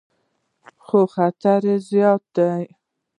خو خطر یې زیات دی.